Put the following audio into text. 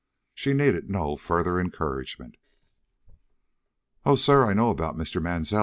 She needed no further encouragement. "Oh, sir, I know about Mr. Mansell!"